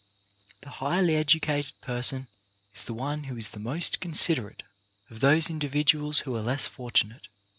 The highly educated person is the one who is the most considerate of those individuals who are less fortunate.